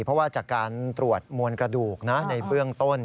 เพราะว่าจากการตรวจมวลกระดูกในเบื้องต้น